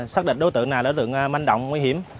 xác định đối tượng này là đối tượng manh động nguy hiểm